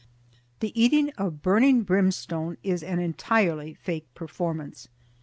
The eating of burning brimstone is an entirely fake performance.